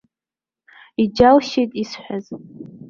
Иџьалшьеит исҳәаз.